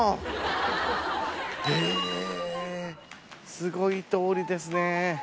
えぇすごい通りですね。